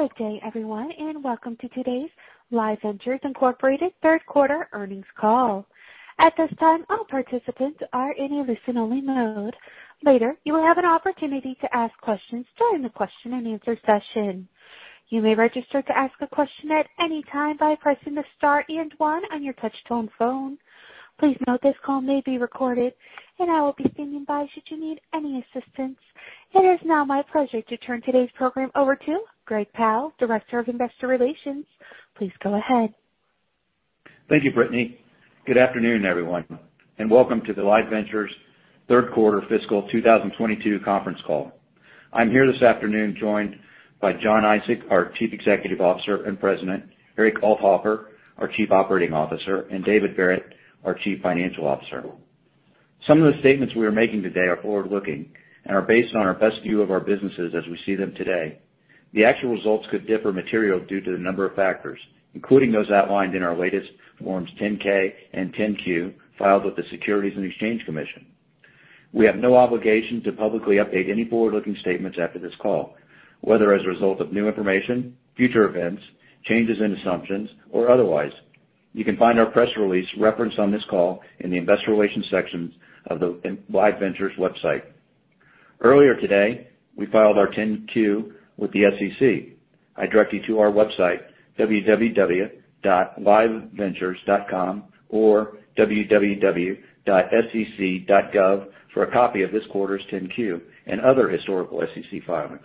Good day everyone, and welcome to today's Live Ventures Incorporated third quarter earnings call. At this time, all participants are in a listen-only mode. Later, you will have an opportunity to ask questions during the question-and-answer session. You may register to ask a question at any time by pressing the star and one on your touch-tone phone. Please note this call may be recorded and I will be standing by should you need any assistance. It is now my pleasure to turn today's program over to Greg Powell, Director of Investor Relations. Please go ahead. Thank you, Brittany. Good afternoon, everyone, and welcome to the Live Ventures third quarter fiscal 2022 conference call. I'm here this afternoon joined by Jon Isaac, our Chief Executive Officer and President, Eric Althofer, our Chief Operating Officer, and David Verret, our Chief Financial Officer. Some of the statements we are making today are forward-looking and are based on our best view of our businesses as we see them today. The actual results could differ materially due to the number of factors, including those outlined in our latest Forms 10-K and 10-Q filed with the Securities and Exchange Commission. We have no obligation to publicly update any forward-looking statements after this call, whether as a result of new information, future events, changes in assumptions or otherwise. You can find our press release referenced on this call in the investor relations section of the Live Ventures website. Earlier today, we filed our 10-Q with the SEC. I direct you to our website, www.liveventures.com or www.sec.gov for a copy of this quarter's 10-Q and other historical SEC filings.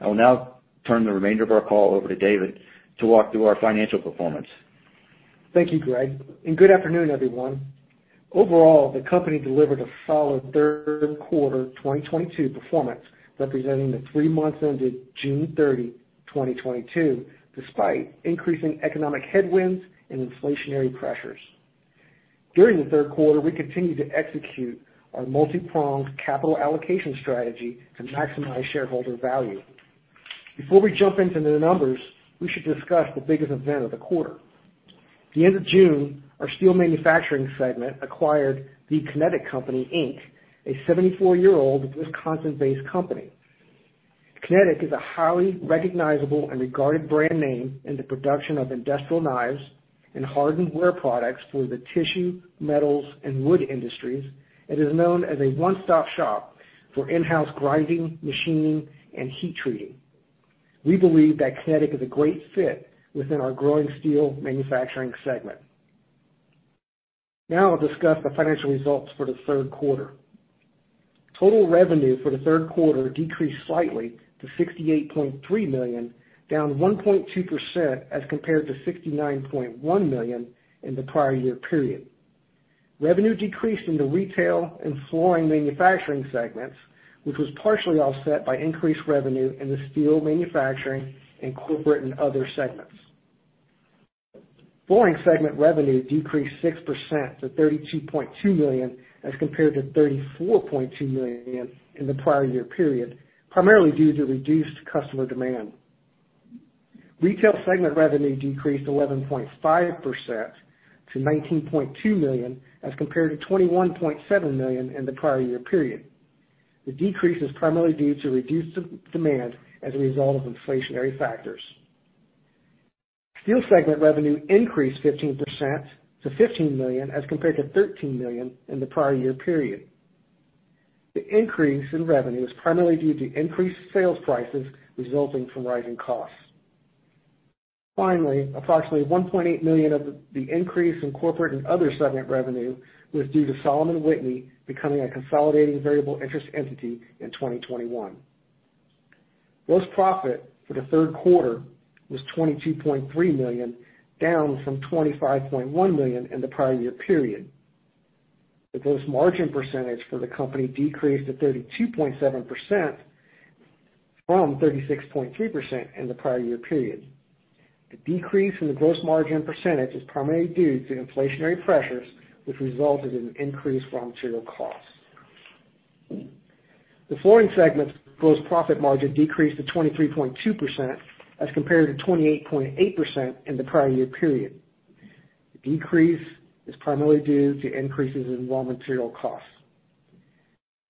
I will now turn the remainder of our call over to David to walk through our financial performance. Thank you, Greg, and good afternoon, everyone. Overall, the company delivered a solid third quarter 2022 performance, representing the three months ended June 30, 2022, despite increasing economic headwinds and inflationary pressures. During the third quarter, we continued to execute our multi-pronged capital allocation strategy to maximize shareholder value. Before we jump into the numbers, we should discuss the biggest event of the quarter. At the end of June, our Steel Manufacturing segment acquired The Kinetic Co, Inc, a 74-year-old Wisconsin-based company. Kinetic is a highly recognizable and regarded brand name in the production of industrial knives and hardened wear products for the tissue, metals and wood industries, and is known as a one-stop shop for in-house grinding, machining and heat treating. We believe that Kinetic is a great fit within our growing Steel Manufacturing segment. Now I'll discuss the financial results for the third quarter. Total revenue for the third quarter decreased slightly to $68.3 million, down 1.2% as compared to $69.1 million in the prior year period. Revenue decreased in the Retail and Flooring Manufacturing segments, which was partially offset by increased revenue in the Steel Manufacturing and corporate and other segments. Flooring Manufacturing segment revenue decreased 6% to $32.2 million as compared to $34.2 million in the prior year period, primarily due to reduced customer demand. Retail segment revenue decreased 11.5% to $19.2 million, as compared to $21.7 million in the prior year period. The decrease is primarily due to reduced demand as a result of inflationary factors. Steel segment revenue increased 15% to $15 million as compared to $13 million in the prior year period. The increase in revenue is primarily due to increased sales prices resulting from rising costs. Finally, approximately $1.8 million of the increase in corporate and other segment revenue was due to Salomon Whitney becoming a consolidating variable interest entity in 2021. Gross profit for the third quarter was $22.3 million, down from $25.1 million in the prior year period. The gross margin percentage for the company decreased to 32.7% from 36.3% in the prior year period. The decrease in the gross margin percentage is primarily due to inflationary pressures, which resulted in increased raw material costs. The flooring segment's gross profit margin decreased to 23.2% as compared to 28.8% in the prior year period. The decrease is primarily due to increases in raw material costs.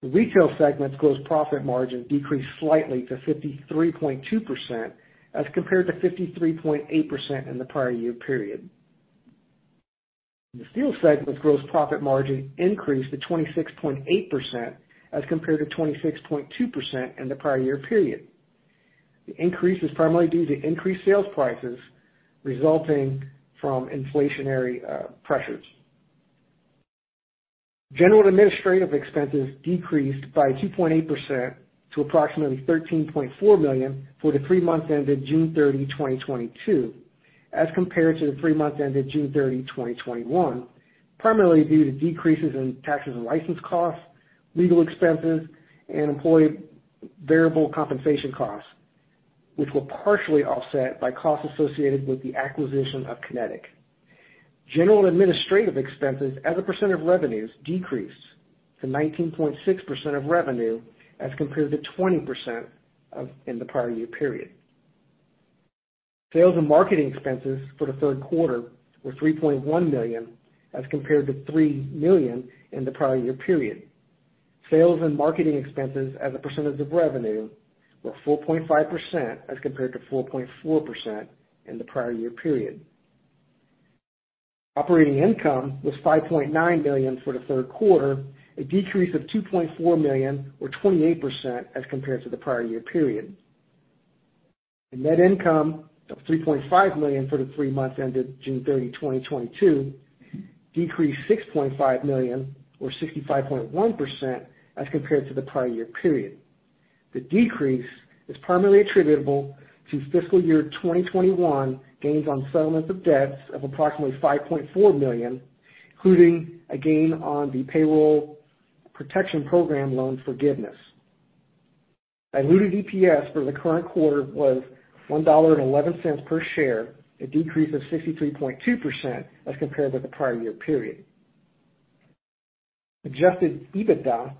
The retail segment's gross profit margin decreased slightly to 53.2% as compared to 53.8% in the prior year period. The steel segment's gross profit margin increased to 26.8% as compared to 26.2% in the prior year period. The increase is primarily due to increased sales prices resulting from inflationary pressures. General and administrative expenses decreased by 2.8% to approximately $13.4 million for the three months ended June 30, 2022, as compared to the three months ended June 30, 2021, primarily due to decreases in taxes and license costs, legal expenses, and employee variable compensation costs, which were partially offset by costs associated with the acquisition of Kinetic. General and administrative expenses as a percent of revenues decreased to 19.6% of revenue as compared to 20% in the prior year period. Sales and marketing expenses for the third quarter were $3.1 million as compared to $3 million in the prior year period. Sales and marketing expenses as a percentage of revenue were 4.5% as compared to 4.4% in the prior year period. Operating income was $5.9 million for the third quarter, a decrease of $2.4 million or 28% as compared to the prior year period. The net income of $3.5 million for the three months ended June 30, 2022, decreased $6.5 million or 65.1% as compared to the prior year period. The decrease is primarily attributable to fiscal year 2021 gains on settlements of debts of approximately $5.4 million, including a gain on the Paycheck Protection Program loan forgiveness. Diluted EPS for the current quarter was $1.11 per share, a decrease of 63.2% as compared with the prior year period. Adjusted EBITDA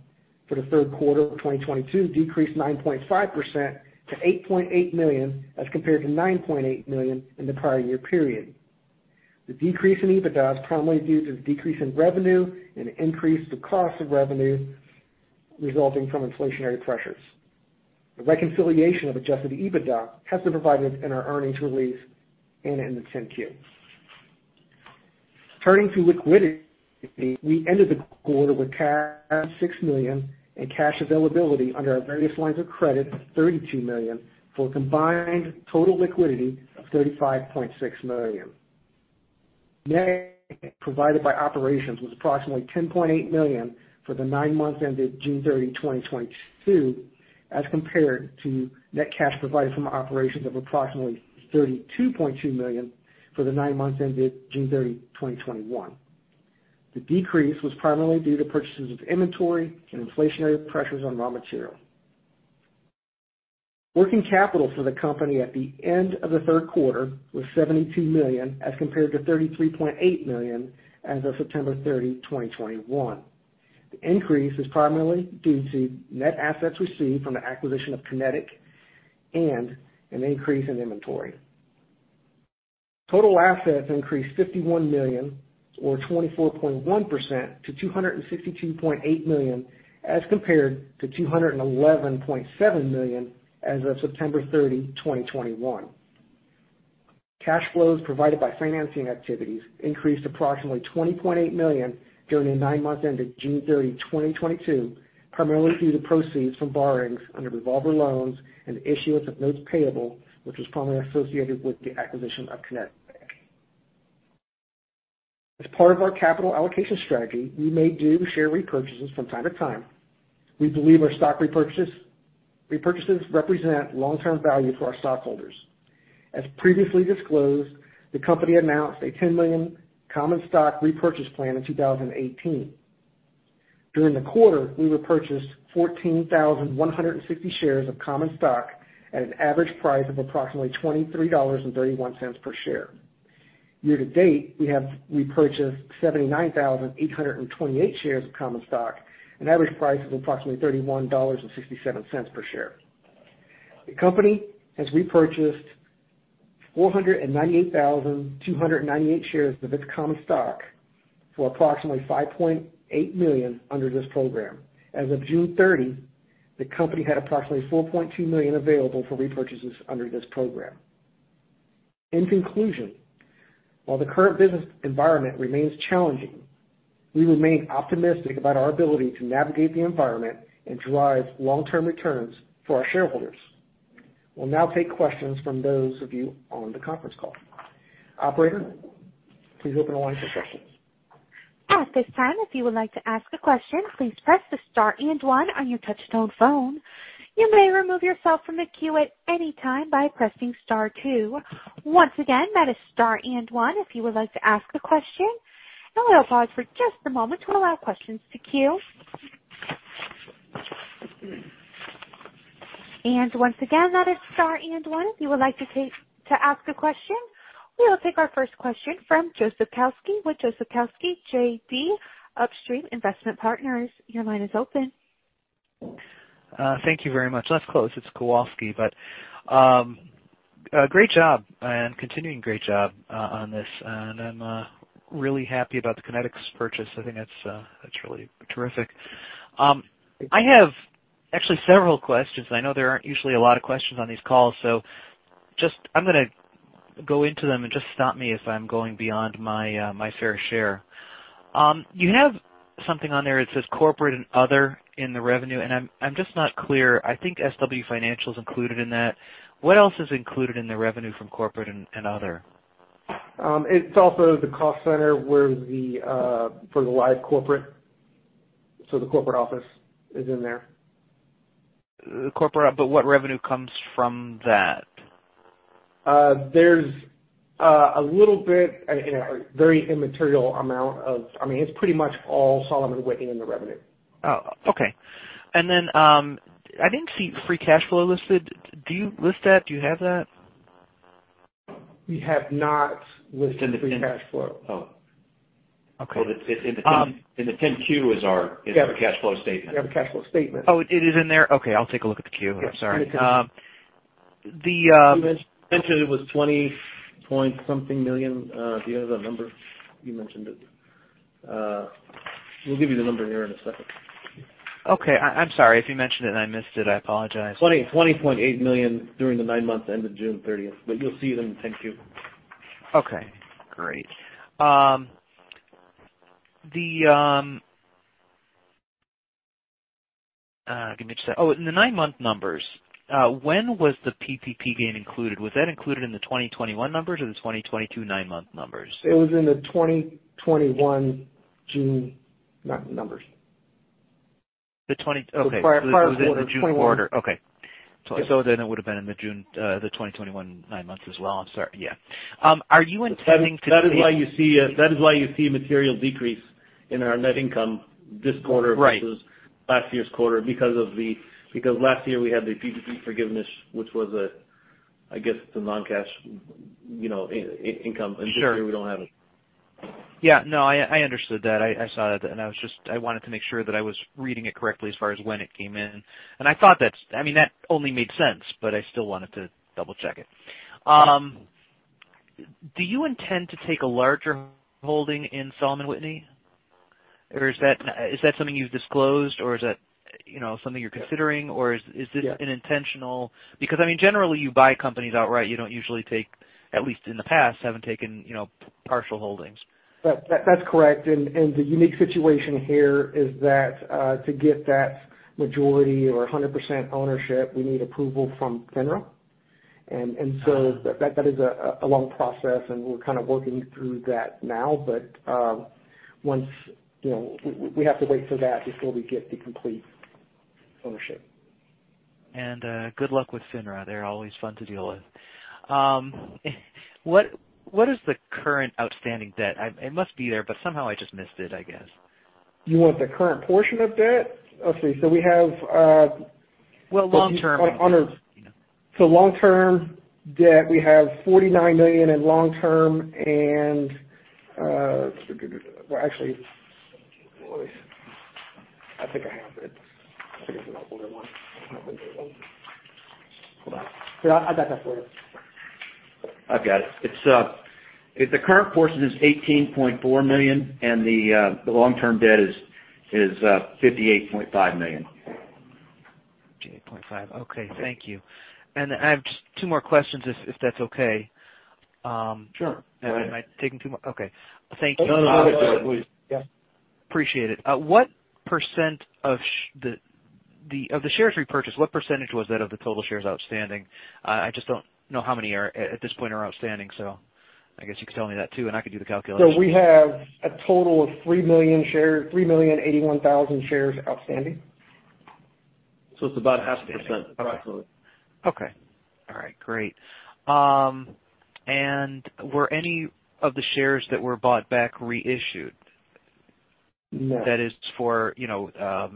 for the third quarter of 2022 decreased 9.5% to $8.8 million as compared to $9.8 million in the prior year period. The decrease in EBITDA is primarily due to the decrease in revenue and increase in the cost of revenue resulting from inflationary pressures. The reconciliation of Adjusted EBITDA has been provided in our earnings release and in the 10-Q. Turning to liquidity, we ended the quarter with cash $6 million and cash availability under our various lines of credit of $32 million for a combined total liquidity of $35.6 million. Net cash provided by operations was approximately $10.8 million for the nine months ended June 30, 2022, as compared to net cash provided by operations of approximately $32.2 million for the nine months ended June 30, 2021. The decrease was primarily due to purchases of inventory and inflationary pressures on raw material. Working capital for the company at the end of the third quarter was $72 million, as compared to $33.8 million as of September 30, 2021. The increase is primarily due to net assets received from the acquisition of Kinetic and an increase in inventory. Total assets increased $51 million or 24.1% to $262.8 million, as compared to $211.7 million as of September 30, 2021. Cash flows provided by financing activities increased approximately $20.8 million during the nine months ended June 30, 2022, primarily due to proceeds from borrowings under revolver loans and issuance of notes payable, which was primarily associated with the acquisition of Kinetic. As part of our capital allocation strategy, we may do share repurchases from time to time. We believe our stock repurchases represent long-term value for our stockholders. As previously disclosed, the company announced a $10 million common stock repurchase plan in 2018. During the quarter, we repurchased 14,160 shares of common stock at an average price of approximately $23.31 per share. Year-to-date, we have repurchased 79,828 shares of common stock at an average price of approximately $31.67 per share. The company has repurchased 498,298 shares of its common stock for approximately $5.8 million under this program. As of June 30, the company had approximately $4.2 million available for repurchases under this program. In conclusion, while the current business environment remains challenging, we remain optimistic about our ability to navigate the environment and drive long-term returns for our shareholders. We'll now take questions from those of you on the conference call. Operator, please open the line for questions. At this time, if you would like to ask a question, please press the star and one on your touch-tone phone. You may remove yourself from the queue at any time by pressing star two. Once again, that is star and one if you would like to ask a question. We'll pause for just a moment to allow questions to queue. Once again, that is star and one if you would like to ask a question. We will take our first question from Joseph Kowalsky JD Upstream Investment Partners. Your line is open. Thank you very much. That's close. It's Kowalsky. Great job and continuing great job on this. I'm really happy about the Kinetic purchase. I think that's really terrific. I have actually several questions. I know there aren't usually a lot of questions on these calls, so just. I'm gonna go into them and just stop me if I'm going beyond my fair share. You have something on there. It says corporate and other in the revenue, and I'm just not clear. I think SW Financial is included in that. What else is included in the revenue from corporate and other? It's also the cost center where the for the Live corporate. The corporate office is in there. Corporate, but what revenue comes from that? There's a little bit, you know. I mean, it's pretty much all Salomon Whitney in the revenue. Oh, okay. I didn't see free cash flow listed. Do you list that? Do you have that? We have not listed the free cash flow. Oh. Okay. It's in the 10-Q. Our cash flow statement. You have a cash flow statement. Oh, it is in there? Okay. I'll take a look at the Q. I'm sorry. You mentioned it was $20-something million. Do you have that number? You mentioned it. We'll give you the number here in a second. Okay. I'm sorry if you mentioned it and I missed it, I apologize. $20.8 million during the nine months ended June 30th, but you'll see it in the 10-Q. In the nine-month numbers, when was the PPP gain included? Was that included in the 2021 numbers or the 2022 nine-month numbers? It was in the 2021 June numbers. Okay. Prior quarter. 2021. It was in the June quarter. Okay. It would have been in the June, the 2021 nine months as well. I'm sorry. Yeah. Are you intending to? That is why you see a material decrease in our net income this quarter. Right. versus last year's quarter because last year we had the PPP forgiveness, which was a, I guess, the non-cash, you know, income. Sure. This year we don't have it. Yeah, no, I understood that. I saw that, and I wanted to make sure that I was reading it correctly as far as when it came in. I thought that's, I mean, that only made sense, but I still wanted to double-check it. Do you intend to take a larger holding in Salomon Whitney? Or is that something you've disclosed or, you know, something you're considering, or is this- Yeah. Because, I mean, generally you buy companies outright, you don't usually take, at least in the past, haven't taken, you know, partial holdings. That's correct. The unique situation here is that to get that majority or 100% ownership, we need approval from FINRA. That is a long process, and we're kind of working through that now. Once you know we have to wait for that before we get the complete ownership. Good luck with FINRA. They're always fun to deal with. What is the current outstanding debt? It must be there, but somehow I just missed it, I guess. You want the current portion of debt? Let's see. We have, Well, long term. Long-term debt, we have $49 million in long term and, well, actually, I think I have it. I guess I'll pull it one. Hold on. Yeah, I got that for you. I've got it. It's the current portion is $18.4 million, and the long-term debt is $58.5 million. $58.5 million. Okay. Thank you. I have just two more questions, if that's okay. Sure. Am I taking too much? Okay. Thank you. No, no. Appreciate it. What percent of the shares repurchased, what percentage was that of the total shares outstanding? I just don't know how many are at this point outstanding, so I guess you could tell me that too, and I could do the calculation. We have a total of 3 million shares, 3,081,000 shares outstanding. It's about half a percent, approximately. Okay. All right. Great. Were any of the shares that were bought back reissued? No. That is for, you know,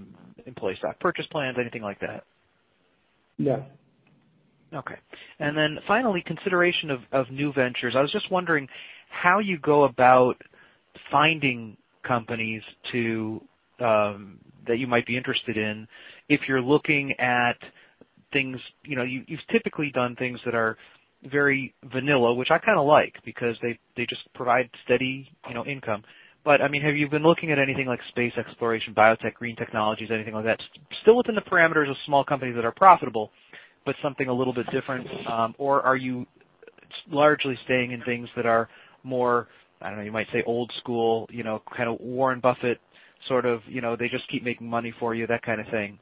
employee stock purchase plans, anything like that? No. Okay. Finally, consideration of new ventures. I was just wondering how you go about finding companies that you might be interested in if you're looking at things. You know, you've typically done things that are very vanilla, which I kinda like because they just provide steady, you know, income. I mean, have you been looking at anything like space exploration, biotech, green technologies, anything like that? Still within the parameters of small companies that are profitable, but something a little bit different. Are you largely staying in things that are more, I don't know, you might say old school, you know, kind of Warren Buffett sort of, you know, they just keep making money for you, that kind of thing.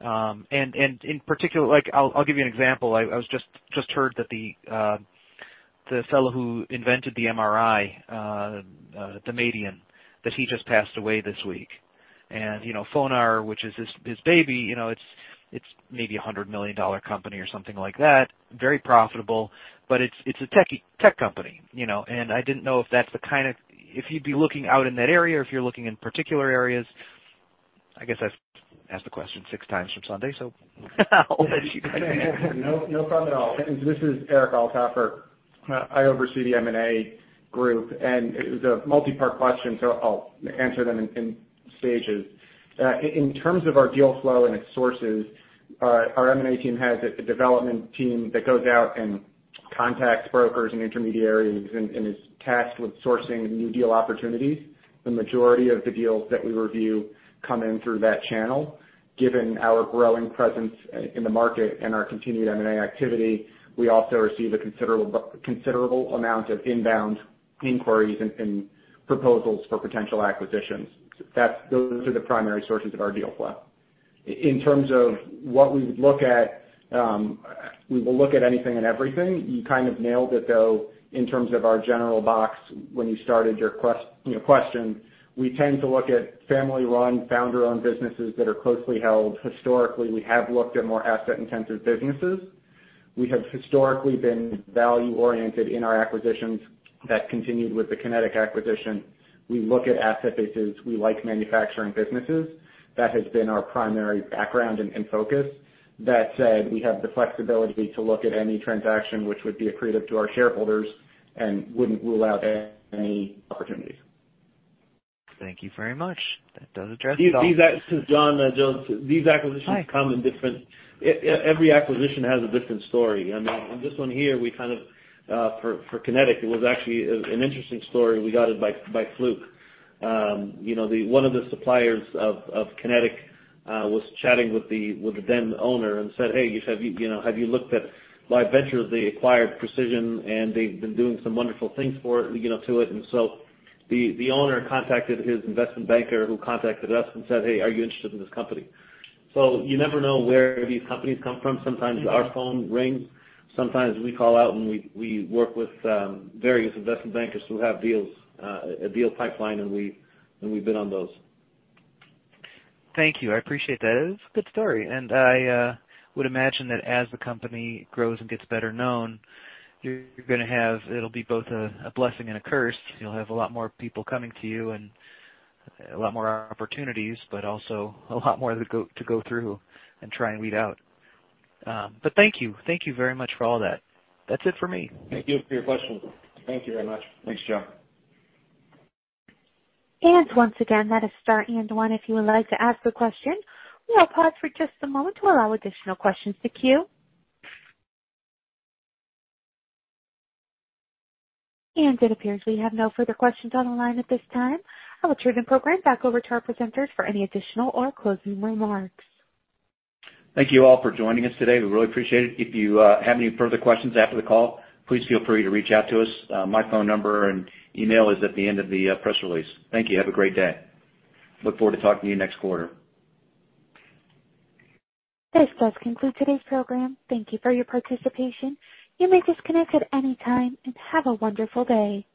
And in particular, like, I'll give you an example. I was just heard that the fellow who invented the MRI that he just passed away this week. You know, FONAR, which is his baby, you know, it's maybe a hundred million-dollar company or something like that. Very profitable, but it's a techy tech company, you know. I didn't know if that's the kind of if you'd be looking out in that area, if you're looking in particular areas. I guess I've asked the question six times from Sunday, so I'll let you guys answer. No, no problem at all. This is Eric Althofer. I oversee the M&A group, and it was a multi-part question, so I'll answer them in stages. In terms of our deal flow and its sources, our M&A team has a development team that goes out and contacts brokers and intermediaries and is tasked with sourcing new deal opportunities. The majority of the deals that we review come in through that channel. Given our growing presence in the market and our continued M&A activity, we also receive a considerable amount of inbound inquiries and proposals for potential acquisitions. Those are the primary sources of our deal flow. In terms of what we would look at, we will look at anything and everything. You kind of nailed it, though, in terms of our general box when you started your you know, question. We tend to look at family-run, founder-owned businesses that are closely held. Historically, we have looked at more asset-intensive businesses. We have historically been value-oriented in our acquisitions that continued with the Kinetic acquisition. We look at asset bases. We like manufacturing businesses. That has been our primary background and focus. That said, we have the flexibility to look at any transaction which would be accretive to our shareholders and wouldn't rule out any opportunities. Thank you very much. That does address it all. This is Jon Isaac. Every acquisition has a different story. I mean, on this one here, we kind of for Kinetic, it was actually an interesting story. We got it by fluke. You know, one of the suppliers of Kinetic was chatting with the then owner and said, "Hey, have you looked at Live Ventures? They acquired Precision Marshall, and they've been doing some wonderful things for it, you know, to it." The owner contacted his investment banker, who contacted us and said, "Hey, are you interested in this company?" You never know where these companies come from. Sometimes our phone rings, sometimes we call out, and we work with various investment bankers who have deals, a deal pipeline, and we bid on those. Thank you. I appreciate that. It is a good story, and I would imagine that as the company grows and gets better known, you're gonna have. It'll be both a blessing and a curse. You'll have a lot more people coming to you and a lot more opportunities, but also a lot more to go through and try and weed out. Thank you. Thank you very much for all that. That's it for me. Thank you for your question. Thank you very much. Thanks, Jon. Once again, that is star and one if you would like to ask a question. We will pause for just a moment to allow additional questions to queue. It appears we have no further questions on the line at this time. I will turn the program back over to our presenters for any additional or closing remarks. Thank you all for joining us today. We really appreciate it. If you have any further questions after the call, please feel free to reach out to us. My phone number and email is at the end of the press release. Thank you. Have a great day. Look forward to talking to you next quarter. This does conclude today's program. Thank you for your participation. You may disconnect at any time, and have a wonderful day.